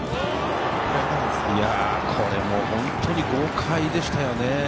これも本当に豪快でしたよね。